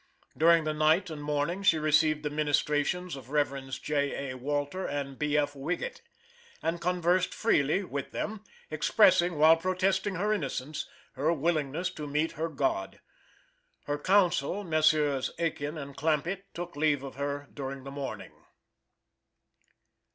During the night and morning she received the ministrations of Revs. J. A. Walter and B. F. Wigett, and conversed freely with them, expressing, while protesting her innocence, her willingness to meet her God. Her counsel, Messrs. Aiken & Clampitt, took leave of her during the morning.